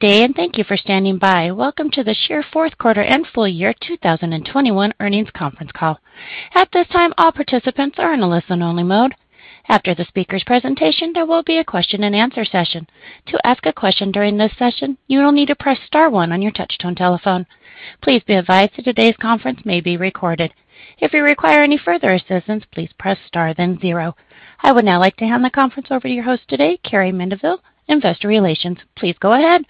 Good day, and thank you for standing by. Welcome to the Seer fourth quarter and full year 2021 earnings conference call. At this time, all participants are in a listen-only mode. After the speaker's presentation, there will be a question-and-answer session. To ask a question during this session, you will need to press star one on your touchtone telephone. Please be advised that today's conference may be recorded. If you require any further assistance, please press star, then zero. I would now like to hand the conference over to your host today, Carrie Mendivil, Investor Relations. Please go ahead.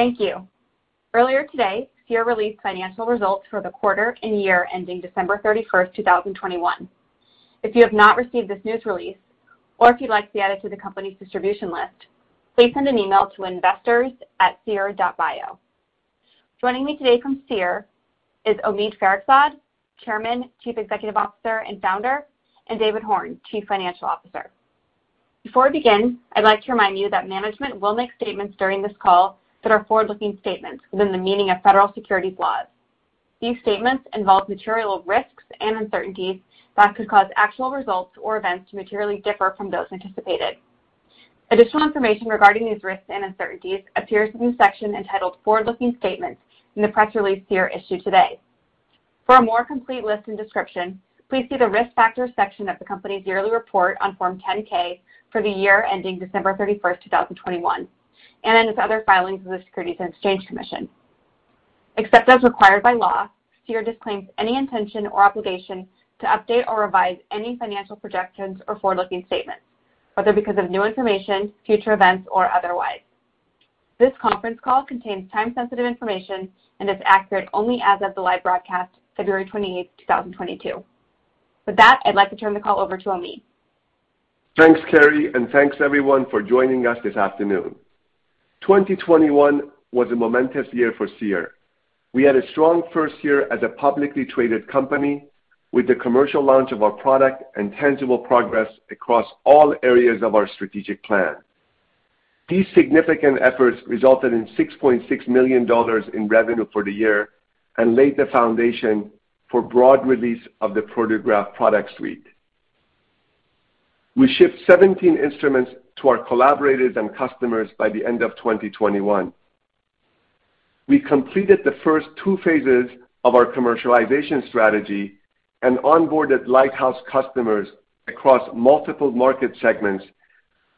Thank you. Earlier today, Seer released financial results for the quarter and year ending December 31, 2021. If you have not received this news release or if you'd like to be added to the company's distribution list, please send an email to investors@seer.bio. Joining me today from Seer is Omid Farokhzad, Chairman, Chief Executive Officer, and Founder, and David Horn, Chief Financial Officer. Before we begin, I'd like to remind you that management will make statements during this call that are forward-looking statements within the meaning of federal securities laws. These statements involve material risks and uncertainties that could cause actual results or events to materially differ from those anticipated. Additional information regarding these risks and uncertainties appears in the section entitled Forward-Looking Statements in the press release Seer issued today. For a more complete list and description, please see the Risk Factors section of the company's yearly report on Form 10-K for the year ending December 31, 2021, and in its other filings with the Securities and Exchange Commission. Except as required by law, Seer disclaims any intention or obligation to update or revise any financial projections or forward-looking statements, whether because of new information, future events or otherwise. This conference call contains time-sensitive information and is accurate only as of the live broadcast, February 28, 2022. With that, I'd like to turn the call over to Omid. Thanks, Carrie, and thanks everyone for joining us this afternoon. 2021 was a momentous year for Seer. We had a strong first year as a publicly traded company with the commercial launch of our product and tangible progress across all areas of our strategic plan. These significant efforts resulted in $6.6 million in revenue for the year and laid the foundation for broad release of the Proteograph Product Suite. We shipped 17 instruments to our collaborators and customers by the end of 2021. We completed the first two phases of our commercialization strategy and onboarded lighthouse customers across multiple market segments,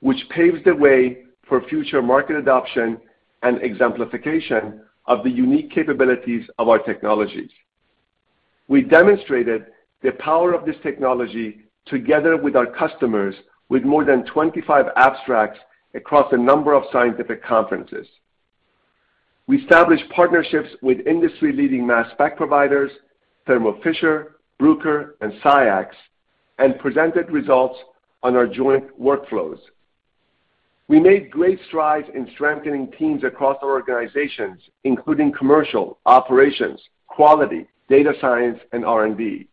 which paves the way for future market adoption and exemplification of the unique capabilities of our technologies. We demonstrated the power of this technology together with our customers with more than 25 abstracts across a number of scientific conferences. We established partnerships with industry-leading mass spec providers, Thermo Fisher, Bruker, and SCIEX, and presented results on our joint workflows. We made great strides in strengthening teams across our organizations, including commercial, operations, quality, data science, and R&D.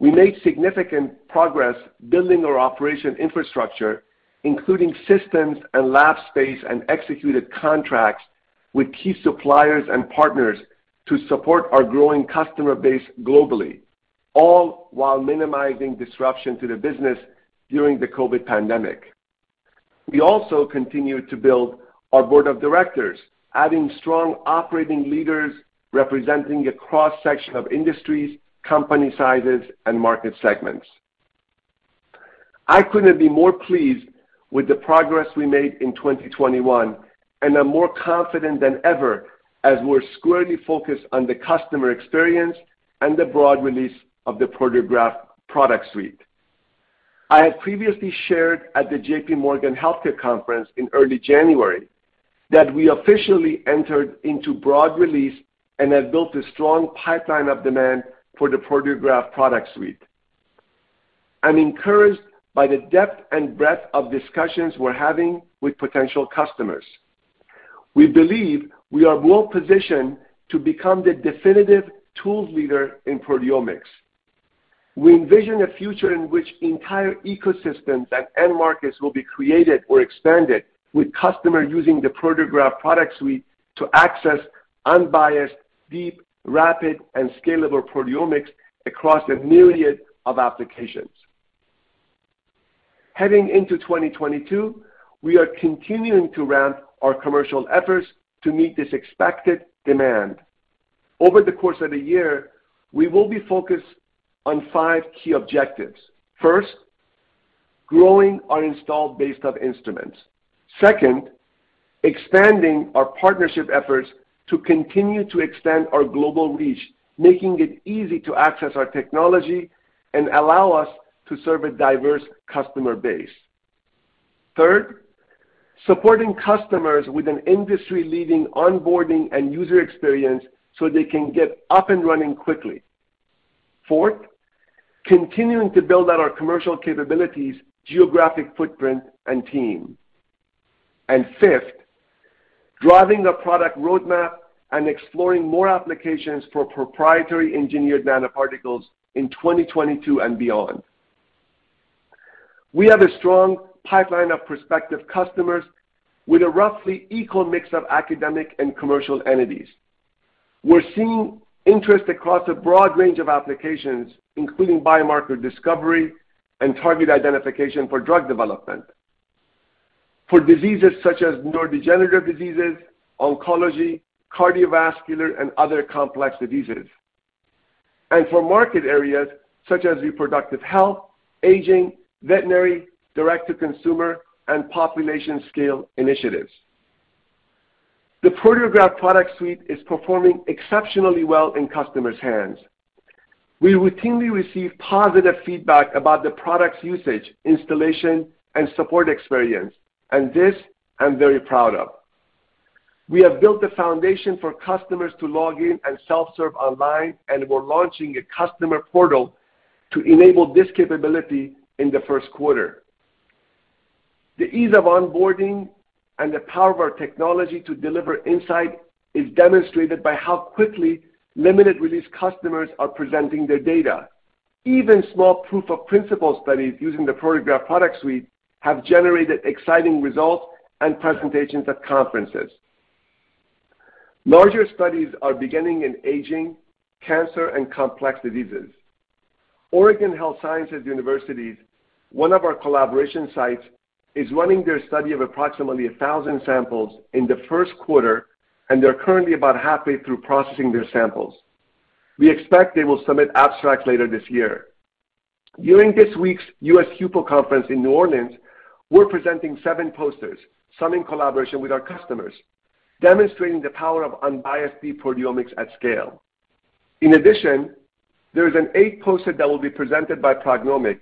We made significant progress building our operation infrastructure, including systems and lab space, and executed contracts with key suppliers and partners to support our growing customer base globally, all while minimizing disruption to the business during the COVID pandemic. We also continued to build our board of directors, adding strong operating leaders representing a cross-section of industries, company sizes, and market segments. I couldn't be more pleased with the progress we made in 2021 and am more confident than ever as we're squarely focused on the customer experience and the broad release of the Proteograph Product Suite. I had previously shared at the JPMorgan Healthcare Conference in early January that we officially entered into broad release and have built a strong pipeline of demand for the Proteograph Product Suite. I'm encouraged by the depth and breadth of discussions we're having with potential customers. We believe we are well-positioned to become the definitive tools leader in proteomics. We envision a future in which entire ecosystems and end markets will be created or expanded with customers using the Proteograph Product Suite to access unbiased, deep, rapid, and scalable proteomics across a myriad of applications. Heading into 2022, we are continuing to ramp our commercial efforts to meet this expected demand. Over the course of the year, we will be focused on five key objectives. First, growing our installed base of instruments. Second, expanding our partnership efforts to continue to extend our global reach, making it easy to access our technology and allow us to serve a diverse customer base. Third, supporting customers with an industry-leading onboarding and user experience so they can get up and running quickly. Fourth, continuing to build out our commercial capabilities, geographic footprint, and team. Fifth, driving a product roadmap and exploring more applications for proprietary engineered nanoparticles in 2022 and beyond. We have a strong pipeline of prospective customers with a roughly equal mix of academic and commercial entities. We're seeing interest across a broad range of applications, including biomarker discovery and target identification for drug development for diseases such as neurodegenerative diseases, oncology, cardiovascular, and other complex diseases, and for market areas such as reproductive health, aging, veterinary, direct to consumer, and population scale initiatives. The Proteograph Product Suite is performing exceptionally well in customers' hands. We routinely receive positive feedback about the product's usage, installation, and support experience, and this, I'm very proud of. We have built the foundation for customers to log in and self-serve online, and we're launching a customer portal to enable this capability in the first quarter. The ease of onboarding and the power of our technology to deliver insight is demonstrated by how quickly limited release customers are presenting their data. Even small proof of principle studies using the Proteograph Product Suite have generated exciting results and presentations at conferences. Larger studies are beginning in aging, cancer, and complex diseases. Oregon Health & Science University, one of our collaboration sites, is running their study of approximately 1,000 samples in the first quarter, and they're currently about halfway through processing their samples. We expect they will submit abstracts later this year. During this week's U.S. HUPO Conference in New Orleans, we're presenting seven posters, some in collaboration with our customers, demonstrating the power of unbiased deep proteomics at scale. In addition, there is an eighth poster that will be presented by PrognomiQ,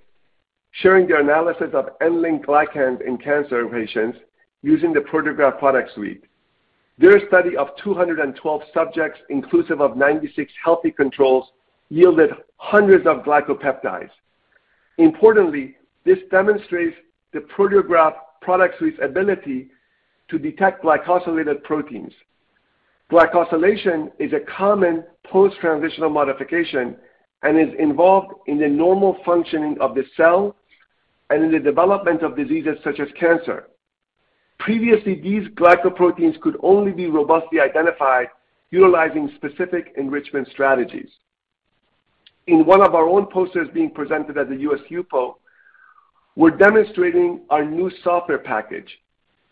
sharing their analysis of N-linked glycans in cancer patients using the Proteograph Product Suite. Their study of 212 subjects, inclusive of 96 healthy controls, yielded hundreds of glycopeptides. Importantly, this demonstrates the Proteograph Product Suite's ability to detect glycosylated proteins. Glycosylation is a common post-translational modification and is involved in the normal functioning of the cell and in the development of diseases such as cancer. Previously, these glycoproteins could only be robustly identified utilizing specific enrichment strategies. In one of our own posters being presented at the U.S. HUPO, we're demonstrating our new software package,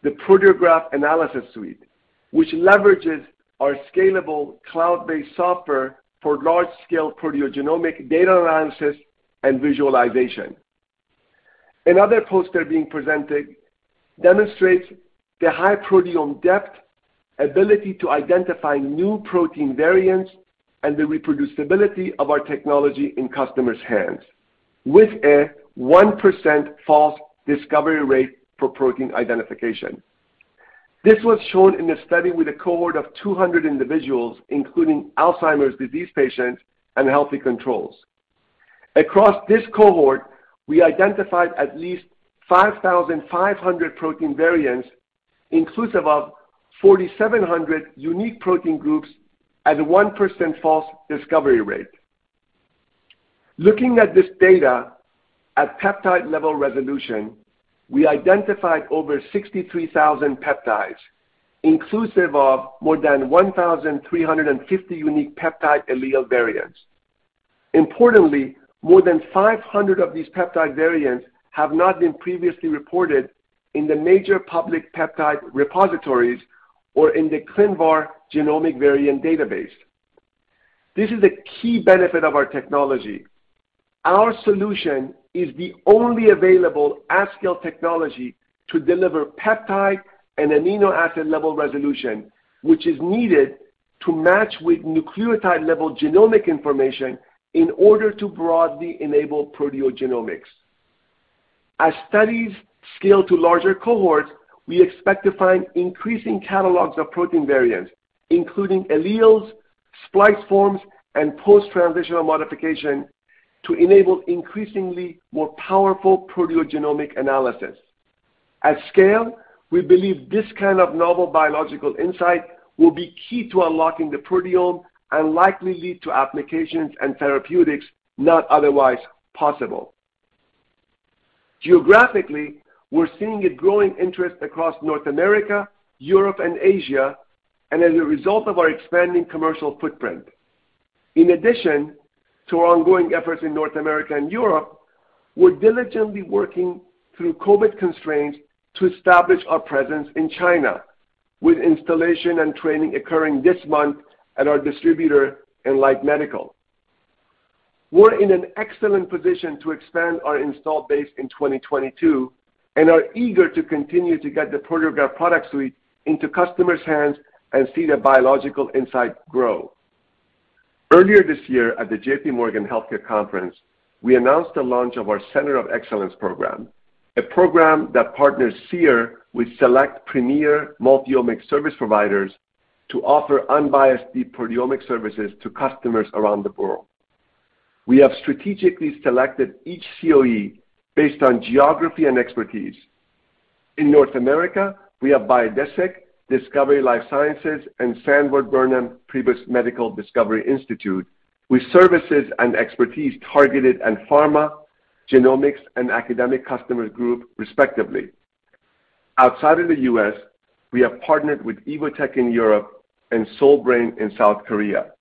the Proteograph Analysis Suite, which leverages our scalable cloud-based software for large-scale proteogenomics data analysis and visualization. Another poster being presented demonstrates the high proteome depth ability to identify new protein variants and the reproducibility of our technology in customers' hands with a 1% false discovery rate for protein identification. This was shown in a study with a cohort of 200 individuals, including Alzheimer's disease patients and healthy controls. Across this cohort, we identified at least 5,500 protein variants, inclusive of 4,700 unique protein groups at a 1% false discovery rate. Looking at this data at peptide-level resolution, we identified over 63,000 peptides, inclusive of more than 1,350 unique peptide allele variants. Importantly, more than 500 of these peptide variants have not been previously reported in the major public peptide repositories or in the ClinVar genomic variant database. This is a key benefit of our technology. Our solution is the only available at-scale technology to deliver peptide and amino acid-level resolution, which is needed to match with nucleotide-level genomic information in order to broadly enable proteogenomics. As studies scale to larger cohorts, we expect to find increasing catalogs of protein variants, including alleles, splice forms, and post-translational modification to enable increasingly more powerful proteogenomic analysis. At scale, we believe this kind of novel biological insight will be key to unlocking the proteome and likely lead to applications and therapeutics not otherwise possible. Geographically, we're seeing a growing interest across North America, Europe, and Asia, and as a result of our expanding commercial footprint. In addition to our ongoing efforts in North America and Europe, we're diligently working through COVID constraints to establish our presence in China with installation and training occurring this month at our distributor, Enlight Medical. We're in an excellent position to expand our installed base in 2022 and are eager to continue to get the Proteograph Product Suite into customers' hands and see the biological insight grow. Earlier this year at the JPMorgan Healthcare Conference, we announced the launch of our Center of Excellence program, a program that partners Seer with select premier multi-omics service providers to offer unbiased deep proteomics services to customers around the world. We have strategically selected each COE based on geography and expertise. In North America, we have Biodesix, Discovery Life Sciences, and Sanford Burnham Prebys Medical Discovery Institute, with services and expertise targeted at pharma, genomics, and academic customer group, respectively. Outside of the U.S., we have partnered with Evotec in Europe and SeouLin in South Korea.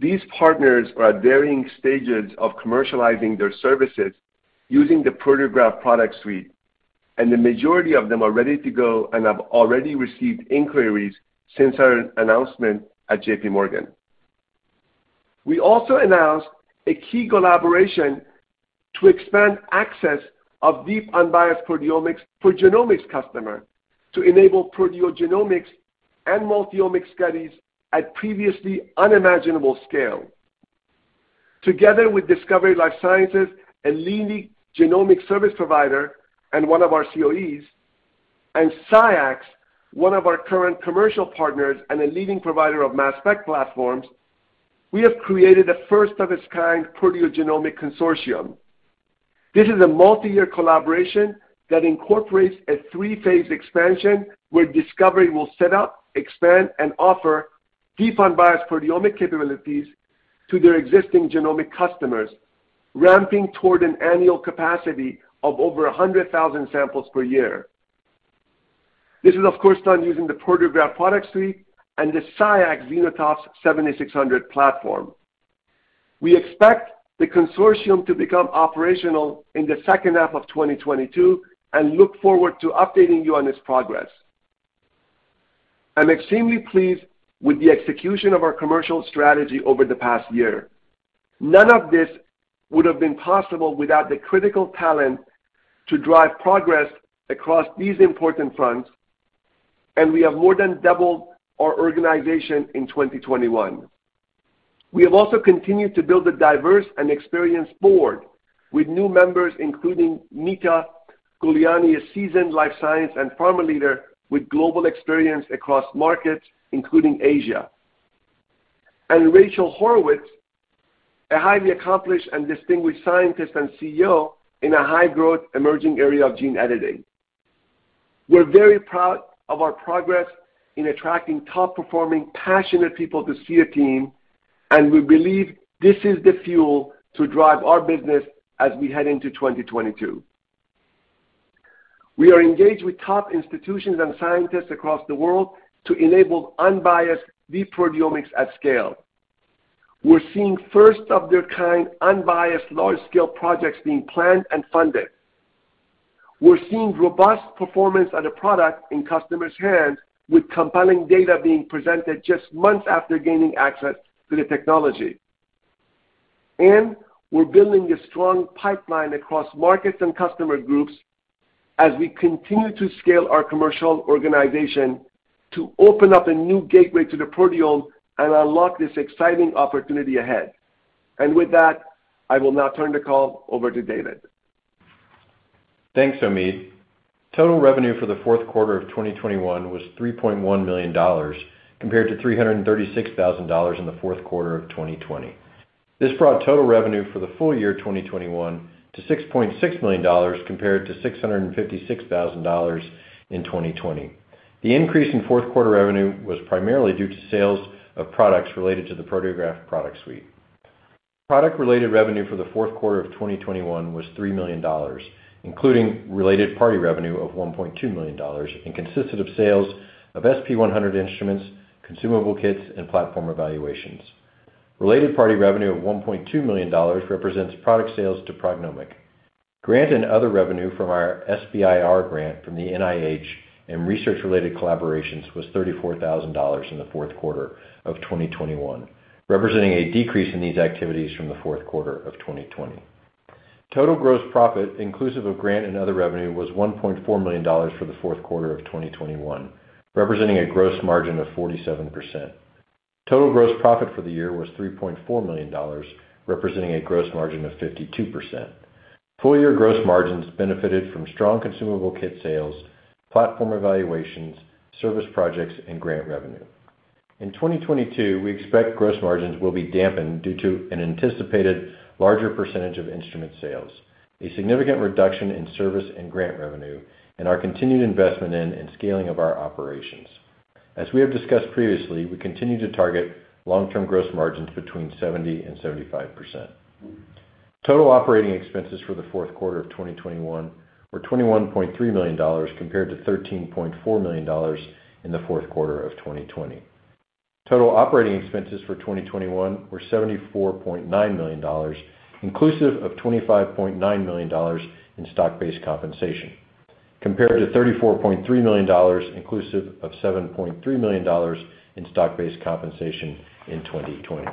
These partners are at varying stages of commercializing their services using the Proteograph Product Suite, and the majority of them are ready to go and have already received inquiries since our announcement at JPMorgan. We also announced a key collaboration to expand access of deep unbiased proteomics for genomics customer to enable proteogenomics and multiomics studies at previously unimaginable scale. Together with Discovery Life Sciences, a leading genomic service provider and one of our COEs, and SCIEX, one of our current commercial partners and a leading provider of mass spec platforms, we have created a first of its kind proteogenomic consortium. This is a multi-year collaboration that incorporates a three-phase expansion where Discovery will set up, expand, and offer deep unbiased proteomic capabilities to their existing genomic customers, ramping toward an annual capacity of over 100,000 samples per year. This is, of course, done using the Proteograph Product Suite and the SCIEX ZenoTOF 7600 platform. We expect the consortium to become operational in the second half of 2022 and look forward to updating you on its progress. I'm extremely pleased with the execution of our commercial strategy over the past year. None of this would have been possible without the critical talent to drive progress across these important fronts, and we have more than doubled our organization in 2021. We have also continued to build a diverse and experienced board with new members, including Meeta Gulyani, a seasoned life science and pharma leader with global experience across markets, including Asia. Rachel Haurwitz, a highly accomplished and distinguished scientist and CEO in a high growth emerging area of gene editing. We're very proud of our progress in attracting top-performing, passionate people to Seer team, and we believe this is the fuel to drive our business as we head into 2022. We are engaged with top institutions and scientists across the world to enable unbiased deep proteomics at scale. We're seeing first of their kind, unbiased large-scale projects being planned and funded. We're seeing robust performance of the product in customers' hands, with compelling data being presented just months after gaining access to the technology. We're building a strong pipeline across markets and customer groups as we continue to scale our commercial organization to open up a new gateway to the proteome and unlock this exciting opportunity ahead. With that, I will now turn the call over to David Horn. Thanks, Omid. Total revenue for the fourth quarter of 2021 was $3.1 million, compared to $336,000 in the fourth quarter of 2020. This brought total revenue for the full year 2021 to $6.6 million, compared to $656,000 in 2020. The increase in fourth quarter revenue was primarily due to sales of products related to the Proteograph Product Suite. Product-related revenue for the fourth quarter of 2021 was $3 million, including related party revenue of $1.2 million, and consisted of sales of SP100 instruments, consumable kits, and platform evaluations. Related party revenue of $1.2 million represents product sales to PrognomiQ. Grant and other revenue from our SBIR grant from the NIH and research-related collaborations was $34,000 in the fourth quarter of 2021, representing a decrease in these activities from the fourth quarter of 2020. Total gross profit, inclusive of grant and other revenue, was $1.4 million for the fourth quarter of 2021, representing a gross margin of 47%. Total gross profit for the year was $3.4 million, representing a gross margin of 52%. Full year gross margins benefited from strong consumable kit sales, platform evaluations, service projects, and grant revenue. In 2022, we expect gross margins will be dampened due to an anticipated larger percentage of instrument sales, a significant reduction in service and grant revenue, and our continued investment in and scaling of our operations. As we have discussed previously, we continue to target long-term gross margins between 70%-75%. Total operating expenses for the fourth quarter of 2021 were $21.3 million, compared to $13.4 million in the fourth quarter of 2020. Total operating expenses for 2021 were $74.9 million, inclusive of $25.9 million in stock-based compensation, compared to $34.3 million, inclusive of $7.3 million in stock-based compensation in 2020.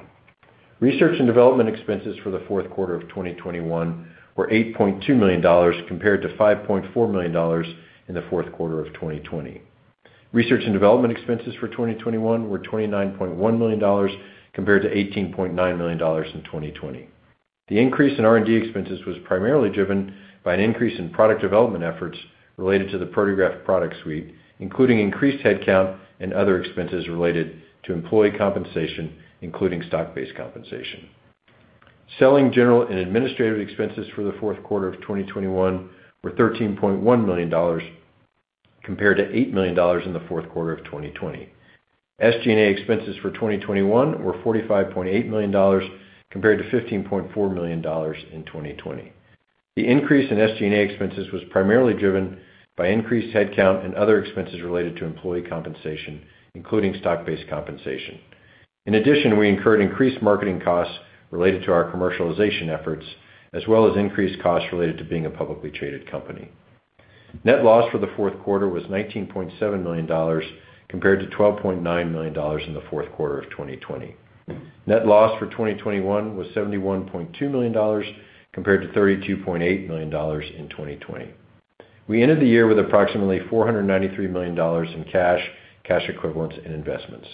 Research and development expenses for the fourth quarter of 2021 were $8.2 million, compared to $5.4 million in the fourth quarter of 2020. Research and development expenses for 2021 were $29.1 million compared to $18.9 million in 2020. The increase in R&D expenses was primarily driven by an increase in product development efforts related to the Proteograph Product Suite, including increased headcount and other expenses related to employee compensation, including stock-based compensation. Selling, general and administrative expenses for the fourth quarter of 2021 were $13.1 million compared to $8 million in the fourth quarter of 2020. SG&A expenses for 2021 were $45.8 million compared to $15.4 million in 2020. The increase in SG&A expenses was primarily driven by increased headcount and other expenses related to employee compensation, including stock-based compensation. In addition, we incurred increased marketing costs related to our commercialization efforts, as well as increased costs related to being a publicly traded company. Net loss for the fourth quarter was $19.7 million compared to $12.9 million in the fourth quarter of 2020. Net loss for 2021 was $71.2 million compared to $32.8 million in 2020. We ended the year with approximately $493 million in cash equivalents, and investments.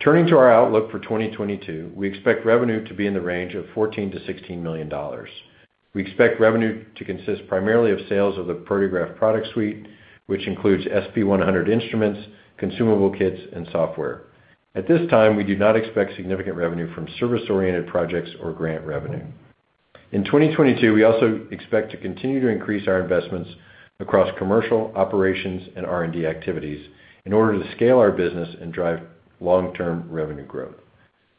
Turning to our outlook for 2022, we expect revenue to be in the range of $14 million-$16 million. We expect revenue to consist primarily of sales of the Proteograph Product Suite, which includes SP-100 instruments, consumable kits, and software. At this time, we do not expect significant revenue from service-oriented projects or grant revenue. In 2022, we also expect to continue to increase our investments across commercial operations and R&D activities in order to scale our business and drive long-term revenue growth.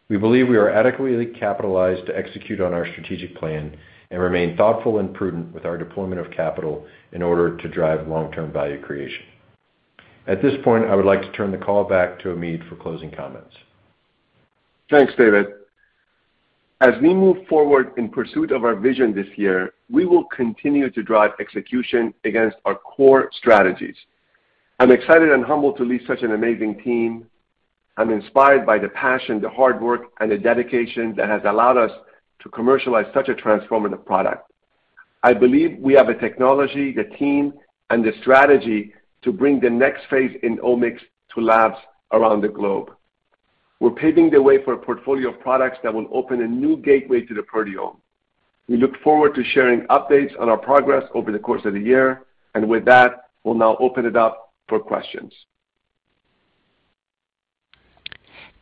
We believe we are adequately capitalized to execute on our strategic plan and remain thoughtful and prudent with our deployment of capital in order to drive long-term value creation. At this point, I would like to turn the call back to Omid for closing comments. Thanks, David. As we move forward in pursuit of our vision this year, we will continue to drive execution against our core strategies. I'm excited and humbled to lead such an amazing team. I'm inspired by the passion, the hard work, and the dedication that has allowed us to commercialize such a transformative product. I believe we have the technology, the team, and the strategy to bring the next phase in omics to labs around the globe. We're paving the way for a portfolio of products that will open a new gateway to the proteome. We look forward to sharing updates on our progress over the course of the year, and with that, we'll now open it up for questions.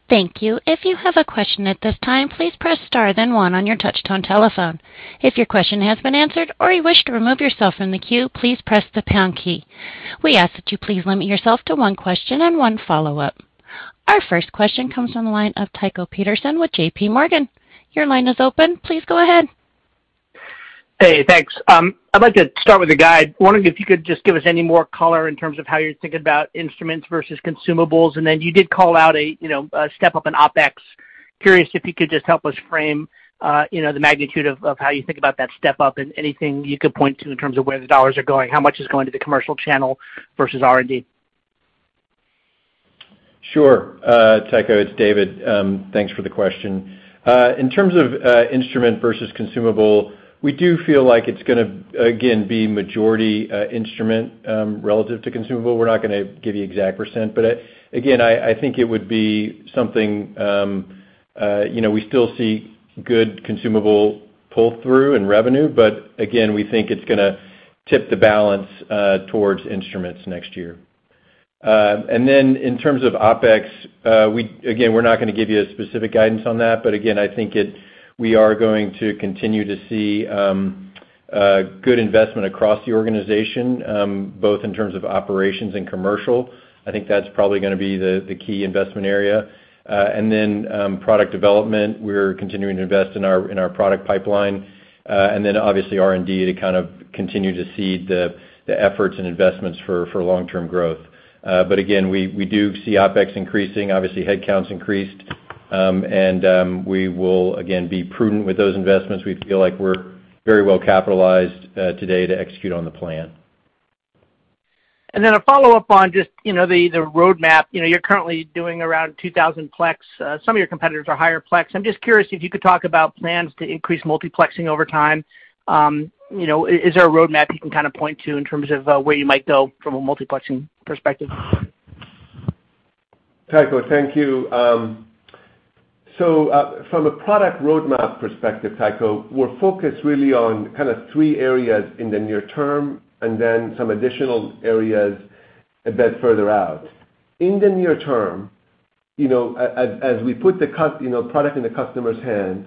Thank you. If you have a question at this time, please press Star, then one on your touchtone telephone. If your question has been answered or you wish to remove yourself from the queue, please press the pound key. We ask that you please limit yourself to one question and one follow-up. Our first question comes on the line of Tycho Peterson with JP Morgan. Your line is open. Please go ahead. Hey, thanks. I'd like to start with the guide. Wondering if you could just give us any more color in terms of how you're thinking about instruments versus consumables. You did call out a, you know, a step-up in OpEx. Curious if you could just help us frame, you know, the magnitude of how you think about that step up and anything you could point to in terms of where the dollars are going, how much is going to the commercial channel versus R&D. Sure. Tycho, it's David. Thanks for the question. In terms of instrument versus consumable, we do feel like it's gonna, again, be majority instrument relative to consumable. We're not gonna give you exact percent, but again, I think it would be something, you know, we still see good consumable pull-through in revenue, but again, we think it's gonna tip the balance towards instruments next year. In terms of OpEx, again, we're not gonna give you a specific guidance on that, but again, I think we are going to continue to see a good investment across the organization, both in terms of operations and commercial. I think that's probably gonna be the key investment area. In product development, we're continuing to invest in our product pipeline, and then obviously in R&D to kind of continue to support the efforts and investments for long-term growth. Again, we do see OpEx increasing. Obviously, headcount's increased, and we will again be prudent with those investments. We feel like we're very well capitalized today to execute on the plan. A follow-up on just, you know, the roadmap. You know, you're currently doing around 2000 plex. Some of your competitors are higher plex. I'm just curious if you could talk about plans to increase multiplexing over time. You know, is there a roadmap you can kinda point to in terms of where you might go from a multiplexing perspective? Tycho, thank you. From a product roadmap perspective, Tycho, we're focused really on kind of three areas in the near term and then some additional areas a bit further out. In the near term, you know, as we put the product in the customer's hand,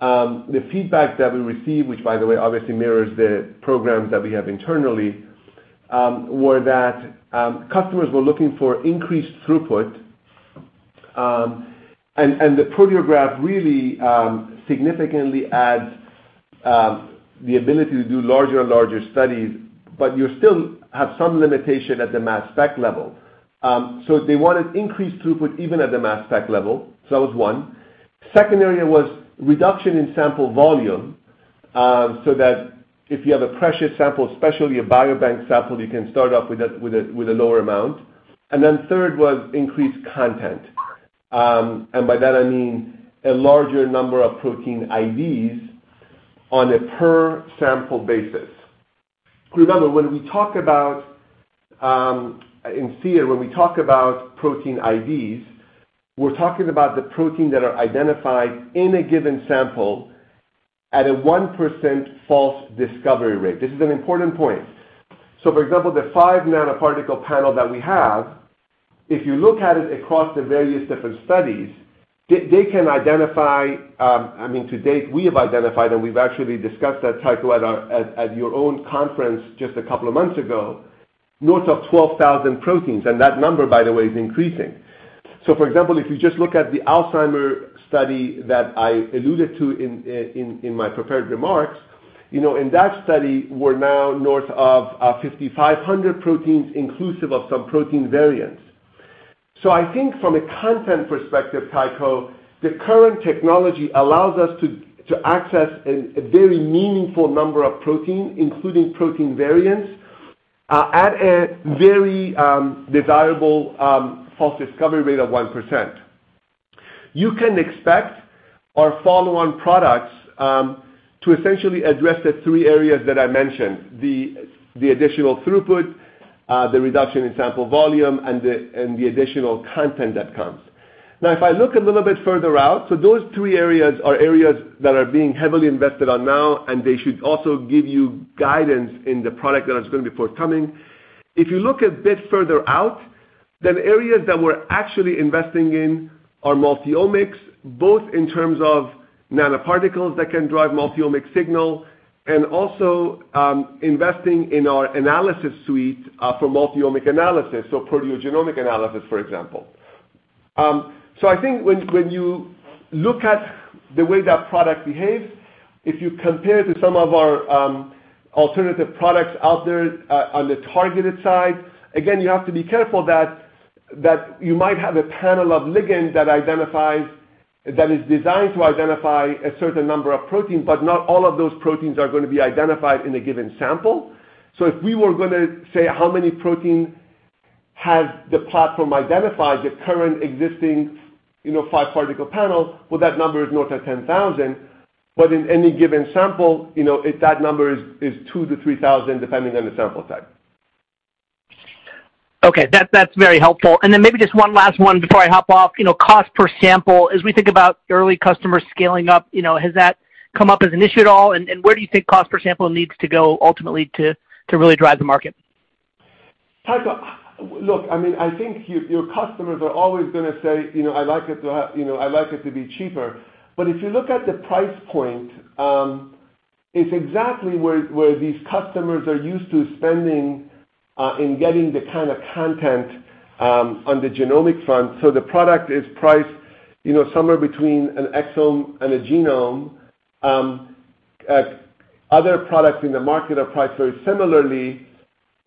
the feedback that we receive, which by the way obviously mirrors the programs that we have internally, customers were looking for increased throughput. And the Proteograph really significantly adds the ability to do larger and larger studies, but you still have some limitation at the mass spec level. They wanted increased throughput even at the mass spec level. That was one. Second area was reduction in sample volume, so that if you have a precious sample, especially a biobank sample, you can start off with a lower amount. Third was increased content. By that I mean a larger number of protein IDs on a per sample basis. Remember, when we talk about in Seer, when we talk about protein IDs, we're talking about the protein that are identified in a given sample at a 1% false discovery rate. This is an important point. For example, the 5 nanoparticle panel that we have, if you look at it across the various different studies, they can identify, I mean, to date, we have identified, and we've actually discussed that, Tycho, at your own conference just a couple of months ago, north of 12,000 proteins. That number, by the way, is increasing. For example, if you just look at the Alzheimer's study that I alluded to in my prepared remarks, you know, in that study, we're now north of 5,500 proteins inclusive of some protein variants. I think from a content perspective, Tycho, the current technology allows us to access a very meaningful number of protein, including protein variants, at a very desirable false discovery rate of 1%. You can expect our follow-on products to essentially address the three areas that I mentioned, the additional throughput, the reduction in sample volume and the additional content that comes. Now, if I look a little bit further out, those three areas are areas that are being heavily invested on now, and they should also give you guidance in the product that is gonna be forthcoming. If you look a bit further out, the areas that we're actually investing in are multiomics, both in terms of nanoparticles that can drive multiomic signal, and also, investing in our analysis suite, for multiomic analysis, so proteogenomic analysis, for example. I think when you look at the way that product behaves, if you compare to some of our alternative products out there on the targeted side, again, you have to be careful that you might have a panel of ligands that is designed to identify a certain number of proteins, but not all of those proteins are gonna be identified in a given sample. If we were gonna say how many proteins has the platform identified, the current existing, you know, five-particle panel, well, that number is north of 10,000. But in any given sample, you know, that number is 2,000-3,000, depending on the sample type. Okay. That's very helpful. Maybe just one last one before I hop off. You know, cost per sample, as we think about early customers scaling up, you know, has that come up as an issue at all? Where do you think cost per sample needs to go ultimately to really drive the market? Tycho, look, I mean, I think your customers are always gonna say, you know, "I'd like it to have," you know, "I'd like it to be cheaper." If you look at the price point, it's exactly where these customers are used to spending in getting the kind of content on the genomic front. The product is priced, you know, somewhere between an exome and a genome. Other products in the market are priced very similarly.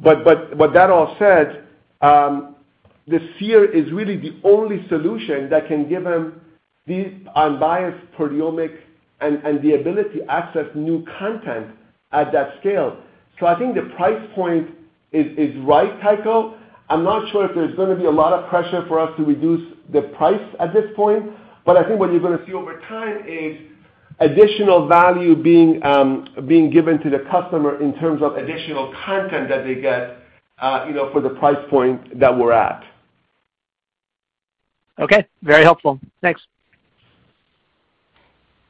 With that all said, the Seer is really the only solution that can give them these unbiased proteomics and the ability to access new content at that scale. I think the price point is right, Tycho. I'm not sure if there's gonna be a lot of pressure for us to reduce the price at this point. I think what you're gonna see over time is additional value being given to the customer in terms of additional content that they get, you know, for the price point that we're at. Okay. Very helpful. Thanks.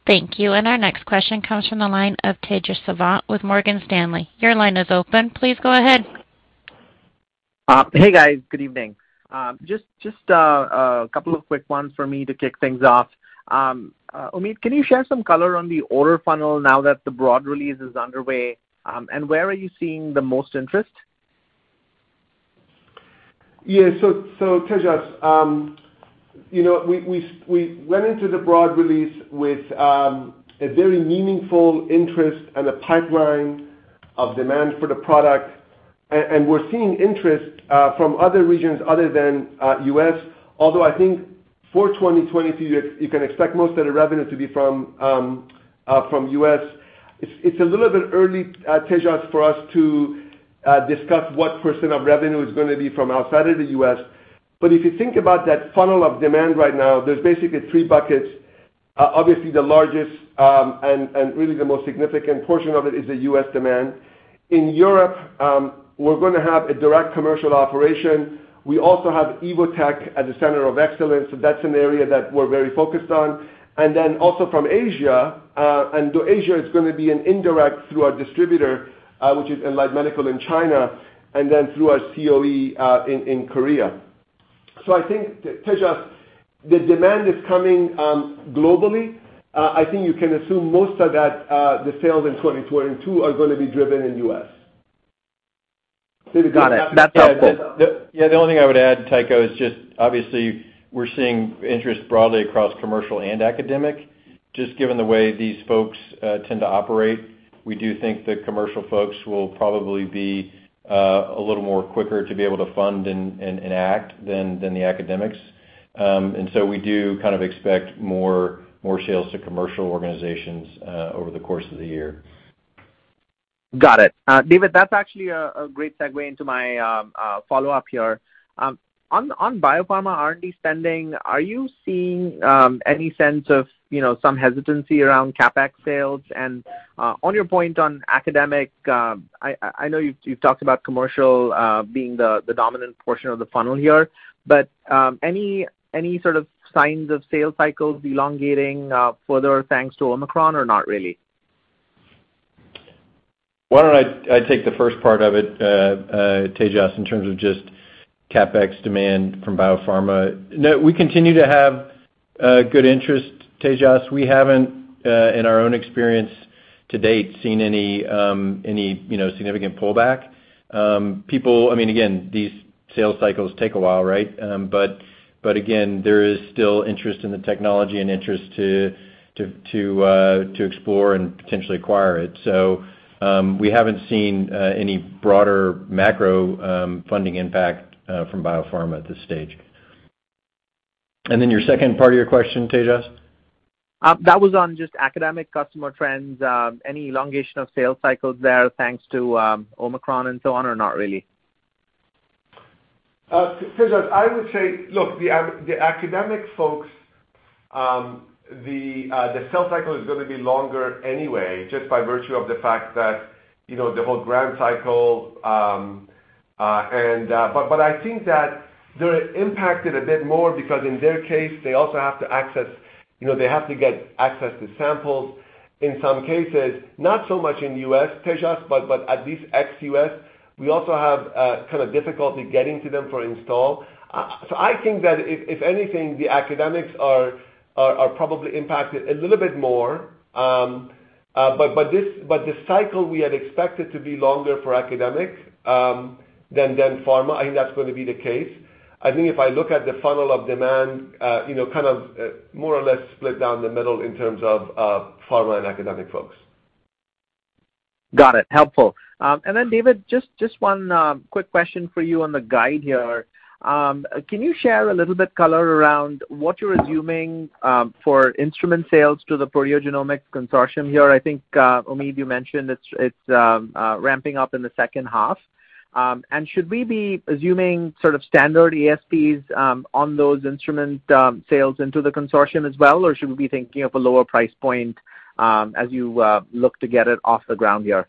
Thank you. Our next question comes from the line of Tejas Savant with Morgan Stanley. Your line is open. Please go ahead. Hey, guys. Good evening. Just a couple of quick ones for me to kick things off. Omid, can you share some color on the order funnel now that the broad release is underway? Where are you seeing the most interest? Yeah, Tejas, you know, we went into the broad release with a very meaningful interest and a pipeline of demand for the product. And we're seeing interest from other regions other than U.S., although I think for 2022, you can expect most of the revenue to be from U.S. It's a little bit early, Tejas, for us to discuss what percent of revenue is gonna be from outside of the U.S. If you think about that funnel of demand right now, there's basically three buckets. Obviously the largest and really the most significant portion of it is the U.S. demand. In Europe, we're gonna have a direct commercial operation. We also have Evotec as a Center of Excellence, so that's an area that we're very focused on. also from Asia, and Asia is gonna be an indirect through our distributor, which is Enlight Medical in China, and then through our COE in Korea. I think, Tejas, the demand is coming globally. I think you can assume most of that, the sales in 2022 are gonna be driven in U.S. Got it. That's helpful. David- The only thing I would add, Tycho, is just obviously we're seeing interest broadly across commercial and academic. Just given the way these folks tend to operate, we do think the commercial folks will probably be a little more quicker to be able to fund and act than the academics. We do kind of expect more sales to commercial organizations over the course of the year. Got it. David, that's actually a great segue into my follow-up here. On biopharma R&D spending, are you seeing any sense of, you know, some hesitancy around CapEx sales? On your point on academic, I know you've talked about commercial being the dominant portion of the funnel here, but any sort of signs of sales cycles elongating further thanks to Omicron or not really? Why don't I take the first part of it, Tejas, in terms of just CapEx demand from biopharma. No, we continue to have good interest, Tejas. We haven't in our own experience to date seen any, you know, significant pullback. People, I mean, again, these sales cycles take a while, right? But again, there is still interest in the technology and interest to explore and potentially acquire it. So, we haven't seen any broader macro funding impact from biopharma at this stage. Your second part of your question, Tejas? That was on just academic customer trends. Any elongation of sales cycles there, thanks to Omicron and so on, or not really? Tejas, I would say, look, the academic folks, the sales cycle is gonna be longer anyway, just by virtue of the fact that, you know, the whole grant cycle. I think that they're impacted a bit more because in their case, they also have to access, you know, they have to get access to samples in some cases. Not so much in the U.S., Tejas, but at least ex-U.S. We also have kind of difficulty getting to them for install. I think that if anything, the academics are probably impacted a little bit more. The cycle we had expected to be longer for academic than pharma, I think that's going to be the case. I think if I look at the funnel of demand, you know, kind of, more or less split down the middle in terms of, pharma and academic folks. Got it. Helpful. David, just one quick question for you on the guide here. Can you share a little bit color around what you're assuming for instrument sales to the Proteogenomics Consortium here? I think, Omid, you mentioned it's ramping up in the second half. Should we be assuming sort of standard ASPs on those instrument sales into the consortium as well, or should we be thinking of a lower price point as you look to get it off the ground here?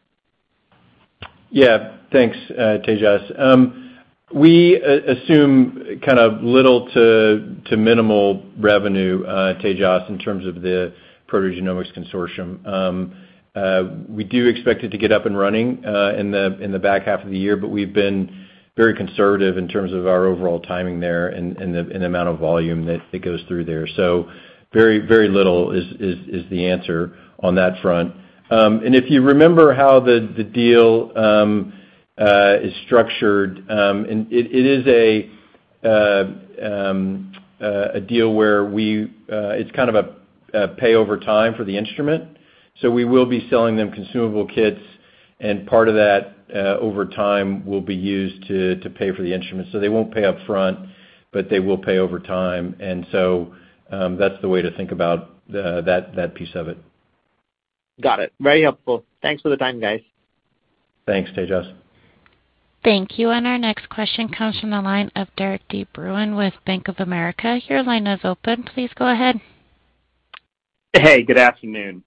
Yeah. Thanks, Tejas. We assume kind of little to minimal revenue, Tejas, in terms of the Proteogenomics Consortium. We do expect it to get up and running in the back half of the year, but we've been very conservative in terms of our overall timing there and the amount of volume that goes through there. So very little is the answer on that front. And if you remember how the deal is structured, and it is a deal where we... It's kind of a pay over time for the instrument. So we will be selling them consumable kits, and part of that over time will be used to pay for the instrument. They won't pay up front, but they will pay over time. That's the way to think about that piece of it. Got it. Very helpful. Thanks for the time, guys. Thanks, Tejas. Thank you. Our next question comes from the line of Derik de Bruin with Bank of America. Your line is open. Please go ahead. Hey, good afternoon.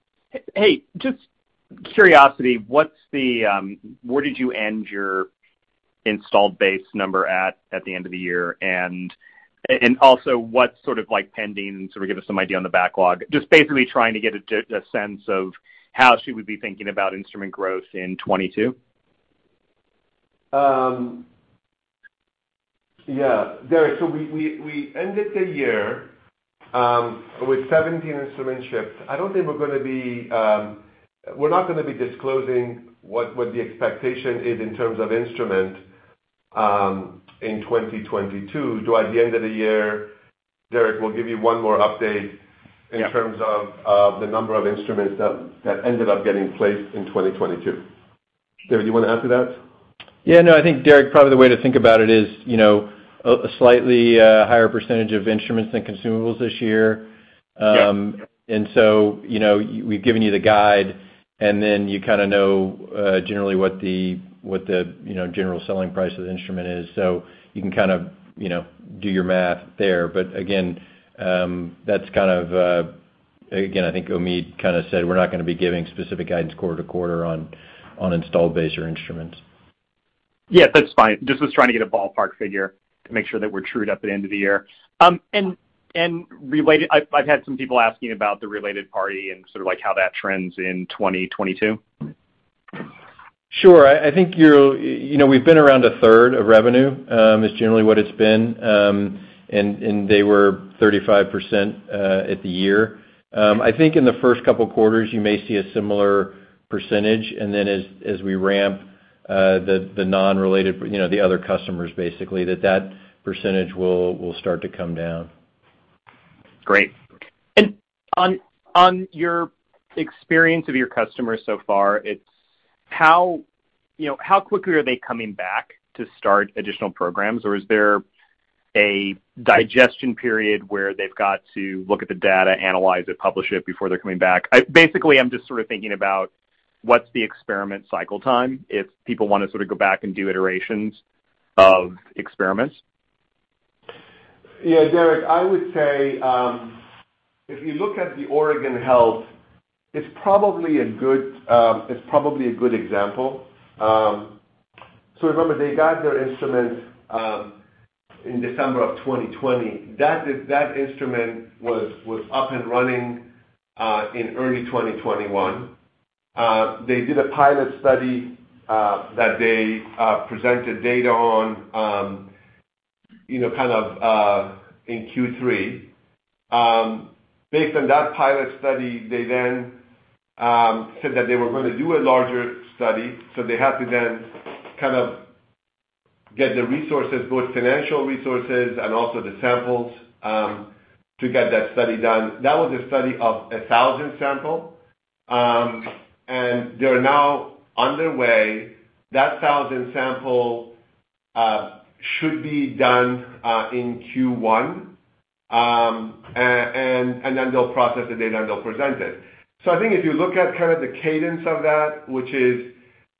Hey, out of curiosity, what's the where did you end your installed base number at the end of the year? Also, what's sort of like pending, sort of give us some idea on the backlog. Basically trying to get a sense of how should we be thinking about instrument growth in 2022. Yeah. Derik, so we ended the year with 17 instrument shipments. I don't think we're gonna be disclosing what the expectation is in terms of instrument in 2022. Though at the end of the year, Derik, we'll give you one more update. Yeah. in terms of the number of instruments that ended up getting placed in 2022. Derik, do you wanna add to that? No, I think, Derik, probably the way to think about it is, you know, a slightly higher percentage of instruments than consumables this year. Yeah. We've given you the guide, and then you kinda know generally what the general selling price of the instrument is. You can kind of you know do your math there. Again, that's kind of again, I think Omid kind of said, we're not gonna be giving specific guidance quarter to quarter on installed base or instruments. Yeah, that's fine. Just was trying to get a ballpark figure to make sure that we're trued up at the end of the year. Related, I've had some people asking about the related party and sort of like how that trends in 2022. Sure. I think you're, you know, we've been around a third of revenue is generally what it's been. They were 35% at year-end. I think in the first couple quarters, you may see a similar percentage. As we ramp the non-related, you know, the other customers, basically, that percentage will start to come down. Great. On your experience of your customers so far, it's how, you know, how quickly are they coming back to start additional programs? Or is there a digestion period where they've got to look at the data, analyze it, publish it before they're coming back? Basically, I'm just sort of thinking about what's the experiment cycle time if people wanna sort of go back and do iterations of experiments. Yeah. Derrick, I would say if you look at the Oregon Health & Science University, it's probably a good example. Remember, they got their instruments in December of 2020. That instrument was up and running in early 2021. They did a pilot study that they presented data on, you know, kind of in Q3. Based on that pilot study, they then said that they were gonna do a larger study, so they have to then kind of get the resources, both financial resources and also the samples to get that study done. That was a study of 1000 samples. They're now underway. That 1000 samples should be done in Q1. They'll process the data, and they'll present it. I think if you look at kinda the cadence of that, which is,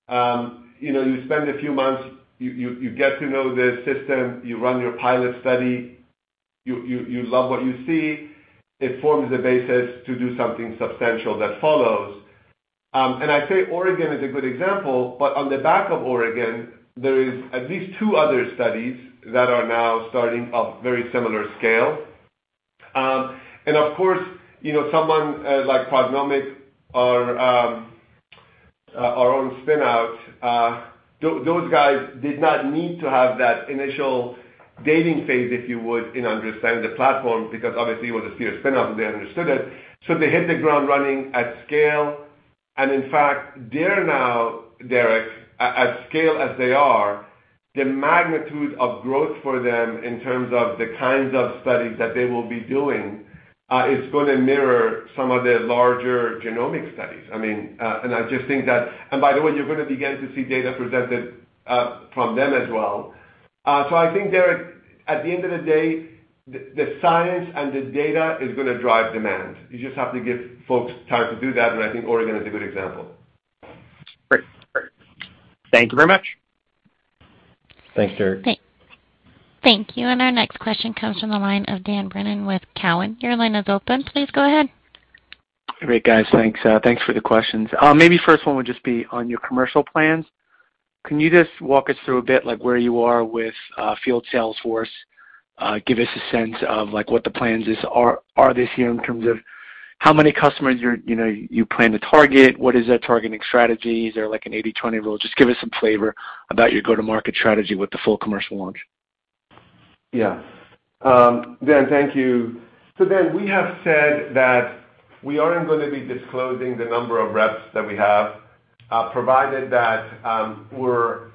you spend a few months, you get to know the system, you run your pilot study. You love what you see. It forms the basis to do something substantial that follows. I say Oregon is a good example, but on the back of Oregon, there is at least two other studies that are now starting of very similar scale. Of course, someone like PrognomiQ or our own spin-out, those guys did not need to have that initial dating phase, if you would, in understanding the platform, because obviously it was a Seer spin-out, and they understood it. They hit the ground running at scale. In fact, they're now, Derik, at scale as they are, the magnitude of growth for them in terms of the kinds of studies that they will be doing is gonna mirror some of the larger genomic studies. I mean, and I just think that. By the way, you're gonna begin to see data presented from them as well. So I think, Derik, at the end of the day, the science and the data is gonna drive demand. You just have to give folks time to do that, and I think Oregon is a good example. Great. Thank you very much. Thanks, Derik. Thank you. Our next question comes from the line of Dan Brennan with Cowen. Your line is open. Please go ahead. Great, guys. Thanks. Thanks for the questions. Maybe first one would just be on your commercial plans. Can you just walk us through a bit like where you are with field sales force? Give us a sense of like what the plans are this year in terms of how many customers you're, you know, you plan to target? What is that targeting strategy? Is there like an 80/20 rule? Just give us some flavor about your go-to-market strategy with the full commercial launch. Yeah. Dan, thank you. Dan, we have said that we aren't gonna be disclosing the number of reps that we have, provided that we're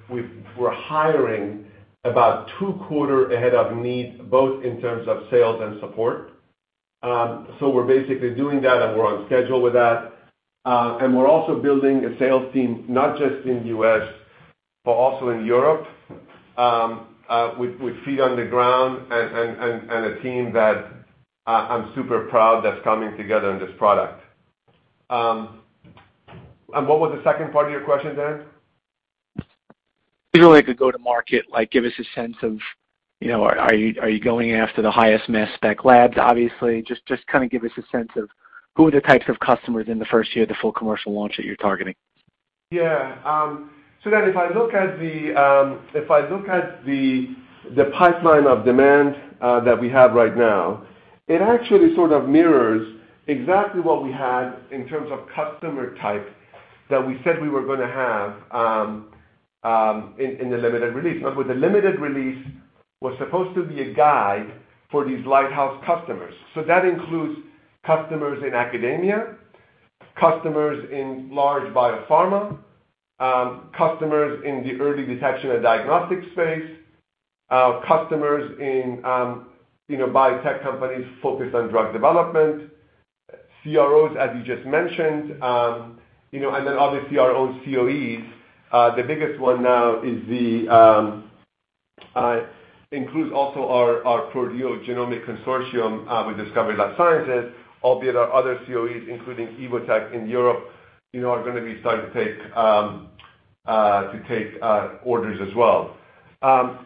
hiring about two quarters ahead of needs, both in terms of sales and support. We're basically doing that, and we're on schedule with that. We're also building a sales team, not just in U.S., but also in Europe, with feet on the ground and a team that I'm super proud that's coming together on this product. What was the second part of your question, Dan? Usually the go-to-market, like give us a sense of, you know, are you going after the highest mass spec labs, obviously? Just kinda give us a sense of who are the types of customers in the first year of the full commercial launch that you're targeting. Yeah. Dan, if I look at the pipeline of demand that we have right now, it actually sort of mirrors exactly what we had in terms of customer type that we said we were gonna have in the limited release. The limited release was supposed to be a guide for these lighthouse customers. That includes customers in academia, customers in large biopharma, customers in the early detection and diagnostic space, customers in you know, biotech companies focused on drug development, CROs, as you just mentioned, you know, and then obviously our own COEs. The biggest one now includes also our Proteogenomics Consortium with Discovery Life Sciences and our other COEs, including Evotec in Europe, you know, are gonna be starting to take orders as well. Dan,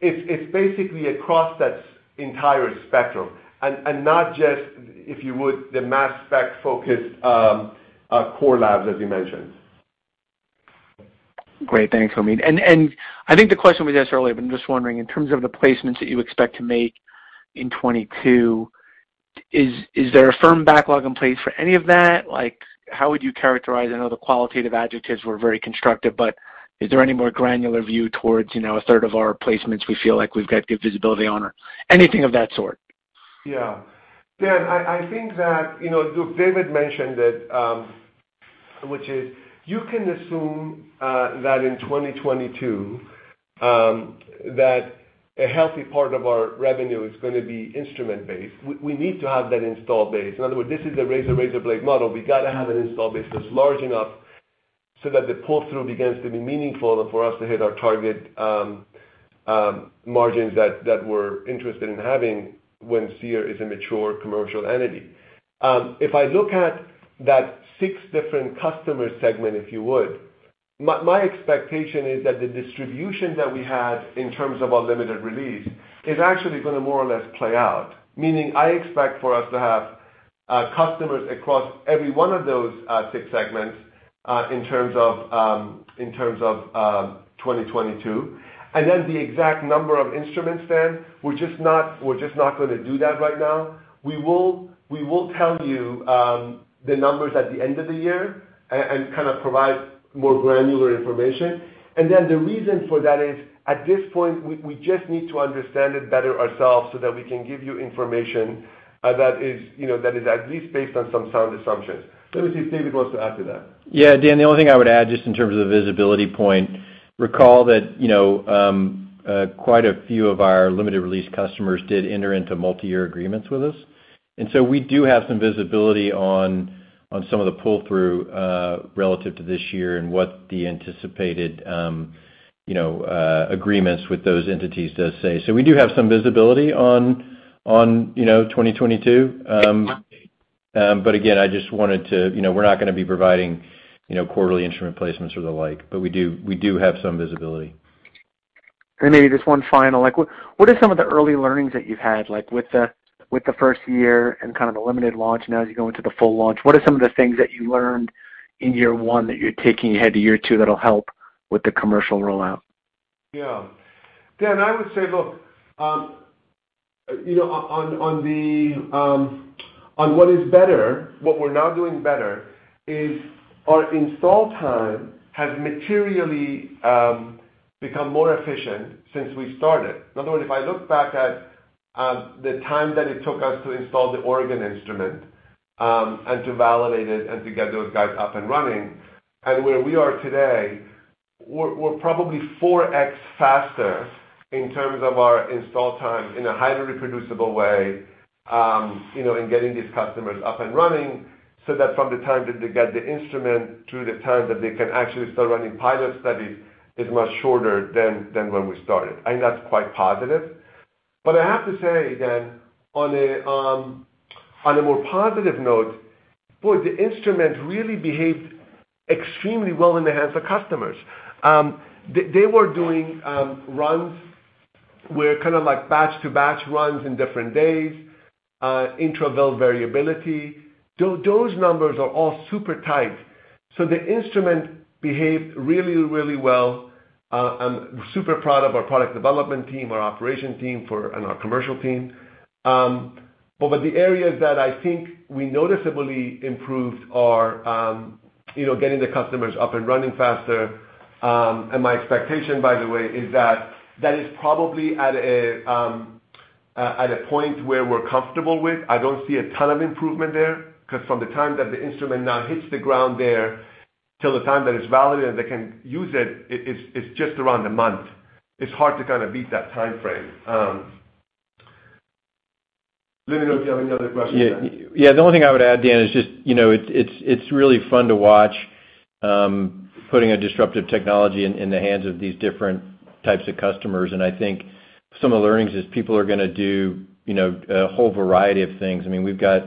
it's basically across that entire spectrum and not just, if you will, the mass spec-focused core labs as you mentioned. Great. Thanks, Omid. I think the question was asked earlier, but I'm just wondering in terms of the placements that you expect to make in 2022, is there a firm backlog in place for any of that? Like, how would you characterize. I know the qualitative adjectives were very constructive, but is there any more granular view towards, you know, a third of our placements we feel like we've got good visibility on or anything of that sort? Yeah. Dan, I think that, you know, look, David mentioned it, which is you can assume that in 2022, that a healthy part of our revenue is gonna be instrument-based. We need to have that installed base. In other words, this is the razor-blade model. We gotta have an installed base that's large enough so that the pull-through begins to be meaningful and for us to hit our target margins that we're interested in having when Seer is a mature commercial entity. If I look at those six different customer segments, if you would, my expectation is that the distribution that we had in terms of our limited release is actually gonna more or less play out. Meaning, I expect for us to have customers across every one of those six segments in terms of 2022. The exact number of instruments we're just not gonna do that right now. We will tell you the numbers at the end of the year and kind of provide more granular information. The reason for that is, at this point, we just need to understand it better ourselves so that we can give you information that is, you know, that is at least based on some sound assumptions. Let me see if David wants to add to that. Yeah, Dan, the only thing I would add, just in terms of the visibility point, recall that, you know, quite a few of our limited release customers did enter into multiyear agreements with us. We do have some visibility on some of the pull-through relative to this year and what the anticipated agreements with those entities does say. We do have some visibility on 2022. Again, I just wanted to. You know, we're not gonna be providing, you know, quarterly instrument placements or the like, but we do have some visibility. Maybe just one final. Like, what are some of the early learnings that you've had, like, with the first year and kind of the limited launch now as you go into the full launch? What are some of the things that you learned in year one that you're taking ahead to year two that'll help with the commercial rollout? Yeah. Dan, I would say, look, you know, on what is better, what we're now doing better is our install time has materially become more efficient since we started. In other words, if I look back at the time that it took us to install the Oregon instrument and to validate it and to get those guys up and running and where we are today, we're probably 4x faster in terms of our install time in a highly reproducible way, you know, in getting these customers up and running, so that from the time that they get the instrument to the time that they can actually start running pilot studies is much shorter than when we started. I think that's quite positive. I have to say, Dan, on a more positive note, boy, the instrument really behaved extremely well in the hands of customers. They were doing runs where kind of like batch to batch runs in different days, intra-val variability. Those numbers are all super tight. The instrument behaved really well. I'm super proud of our product development team, our operation team, and our commercial team. With the areas that I think we noticeably improved are, you know, getting the customers up and running faster. My expectation, by the way, is that is probably at a point where we're comfortable with. I don't see a ton of improvement there, 'cause from the time that the instrument now hits the ground there till the time that it's validated and they can use it's just around a month. It's hard to kinda beat that timeframe. Let me know if you have any other questions. Yeah, the only thing I would add, Dan, is just, you know, it's really fun to watch putting a disruptive technology in the hands of these different types of customers. I think some of the learnings is people are gonna do, you know, a whole variety of things. I mean, we've got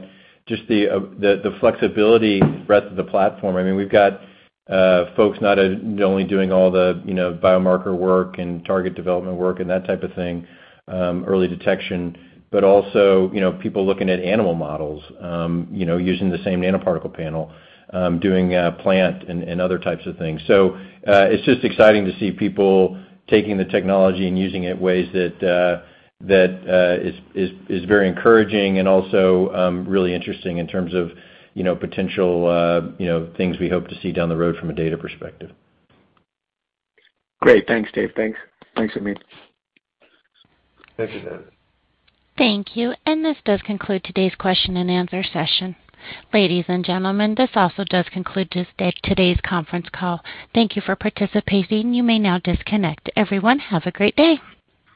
just the flexibility breadth of the platform. I mean, we've got folks not only doing all the, you know, biomarker work and target development work and that type of thing, early detection, but also, you know, people looking at animal models, you know, using the same nanoparticle panel, doing plant and other types of things. It's just exciting to see people taking the technology and using it in ways that is very encouraging and also really interesting in terms of, you know, potential, you know, things we hope to see down the road from a data perspective. Great. Thanks, David. Thanks. Thanks, Omid. Thank you, Dan. Thank you. This does conclude today's question and answer session. Ladies and gentlemen, this also does conclude today's conference call. Thank you for participating. You may now disconnect. Everyone, have a great day.